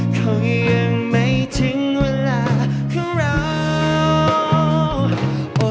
เขายังไม่ถึงเวลาของเรา